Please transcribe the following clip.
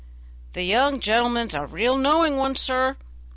"The young gentleman's a real knowing one, sir.